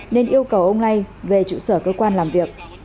nên yêu cầu ông lay về trụ sở cơ quan làm việc